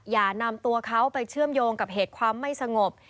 อย่านำตัวเขาไปเชื่อมโยงกับเหตุความไม่สงบ